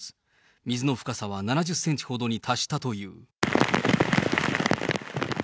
水の深さは７０センチほどに達したという。